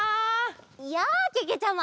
やあけけちゃま！